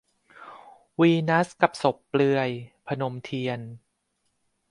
วีนัสกับศพเปลือย - พนมเทียน